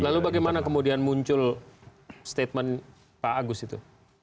lalu bagaimana kemudian muncul statement pak agus itu